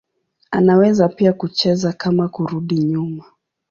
Anaweza pia kucheza kama kurudi nyuma.